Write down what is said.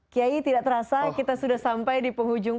kiai tidak terasa kita sudah sampai di penghujung